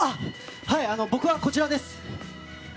僕はこちらです。